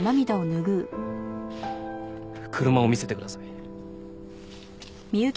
車を見せてください。